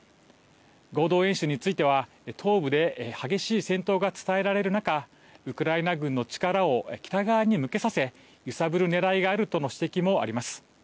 合同演習については東部で激しい戦闘が伝えられる中ウクライナ軍の力を北側に向けさせ揺さぶるねらいがあるとの指摘もあります。